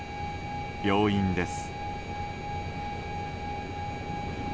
病院です。